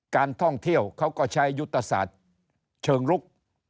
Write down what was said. การท่องเที่ยวเขาก็ใช้ยุทธศาสตร์เชิงลุก